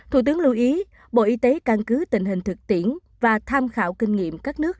thủ tướng lưu ý bộ y tế căn cứ tình hình thực tiễn và tham khảo kinh nghiệm các nước